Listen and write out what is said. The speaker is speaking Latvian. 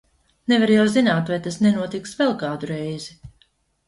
Nevar jau zināt, vai tas nenotiks vēl kādu reizi!